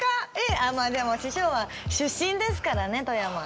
まあでも師匠は出身ですからね富山。